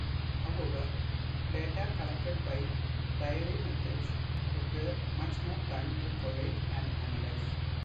However, data collected by diary methods requires much more time to collate and analyse.